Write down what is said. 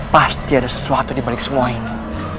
pasti ada sesuatu dibalik semua ini